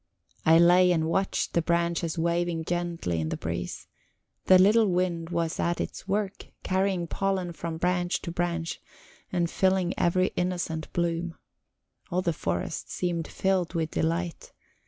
I lay and watched the branches waving gently in the breeze; the little wind was at its work, carrying pollen from branch to branch and filling every innocent bloom; all the forest seemed filled with delight.